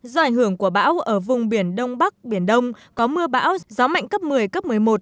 do ảnh hưởng của bão ở vùng biển đông bắc biển đông có mưa bão gió mạnh cấp một mươi cấp một mươi một